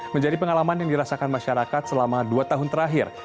menjadi pengalaman yang dirasakan masyarakat selama dua tahun terakhir